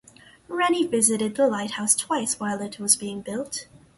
Rennie visited the lighthouse twice while it was being built.